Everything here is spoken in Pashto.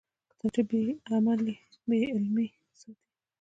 کتابچه له بېعلمۍ ساتي